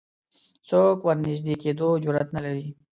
څوک ورنژدې کېدو جرئت نه لري